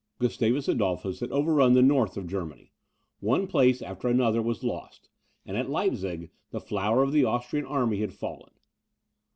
Gustavus Adolphus had overrun the north of Germany; one place after another was lost; and at Leipzig, the flower of the Austrian army had fallen.